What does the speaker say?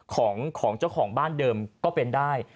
ของเจ้าของบ้านเดิมก็เป็นได้